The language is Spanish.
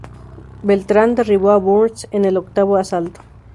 Beltrán derribó a Burns en el octavo asalto.